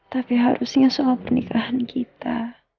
tapi harusnya soal pernikahan kita